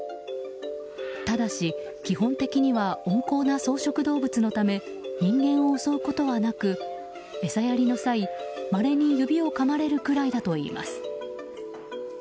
ただし、基本的には温厚な草食動物のため人間を襲うことはなく餌やりの際、まれに指をかまれるくらいだといいます。